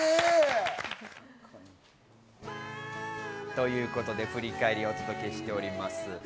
ということで、振り返りをお届けしております。